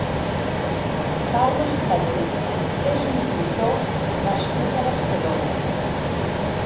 Carlos Planell és un pintor nascut a Barcelona.